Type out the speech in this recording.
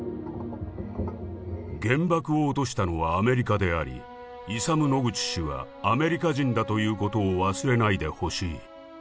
「原爆を落としたのはアメリカでありイサム・ノグチ氏はアメリカ人だということを忘れないで欲しい。